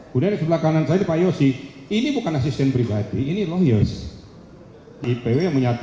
kemudian di sebelah kanan saya pak yosi ini bukan asisten pribadi ini lawyers ipw